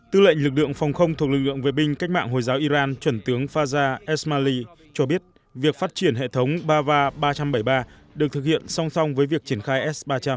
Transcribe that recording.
tư lệnh lực lượng phòng không thuộc lực lượng vệ binh cách mạng hồi giáo iran chuẩn tướng faja esmali cho biết việc phát triển hệ thống bava ba trăm bảy mươi ba được thực hiện song song với việc triển khai s ba trăm linh